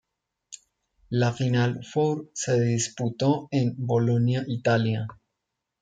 La final four se disputó en Bolonia, Italia.